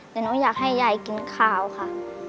แต่หนูอยากให้ยายกินข้าวค่ะ